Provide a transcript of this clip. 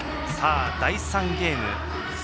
さあ、第３ゲーム。